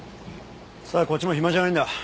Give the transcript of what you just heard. さあこっちも暇じゃないんだ。